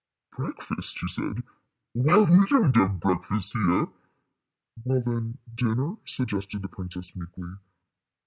"Breakfast!" he said. "Why, we don't have breakfasts here." "Well, then, dinner," suggested the princess, meekly.